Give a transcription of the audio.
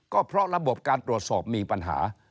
ก็เพราะระบบการตรวจสอบมีปัญหา